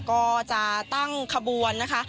ก็จะตั้งขบวนนะคะ